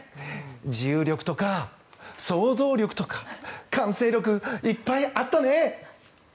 自由力とか想像力とか感性力いっぱいあったね。